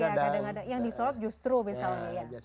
ya kadang kadang yang disolat justru misalnya ya